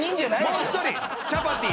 もう１人「チャパティ」